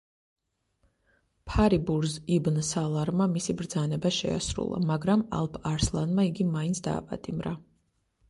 ფარიბურზ იბნ სალარმა მისი ბრძანება შეასრულა, მაგრამ ალფ-არსლანმა იგი მაინც დააპატიმრა.